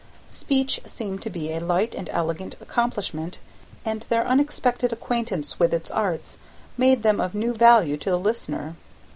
Speech seemed to be a light and elegant accomplishment, and their unexpected acquaintance with its arts made them of new value to the listener.